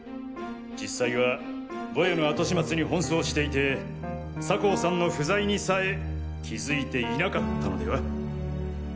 実際はボヤの後始末に奔走していて酒匂さんの不在にさえ気づいていなかったのでは？